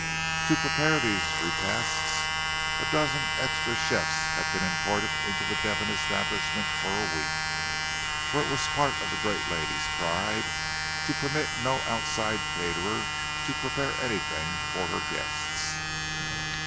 To prepare these repasts a dozen extra chefs had been imported into the Devon establishment for a week—for it was part of the great lady's pride to permit no outside caterer to prepare anything for her guests.